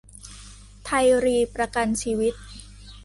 ไทยรีประกันชีวิต